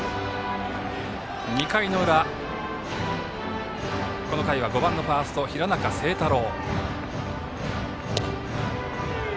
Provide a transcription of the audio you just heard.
２回の裏この回は５番のファースト平中清太郎。